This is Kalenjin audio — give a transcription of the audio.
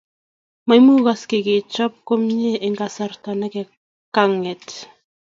maimugaksei kechop komie eng kasarta nekanget